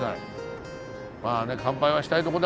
まあね乾杯はしたいとこだけどね。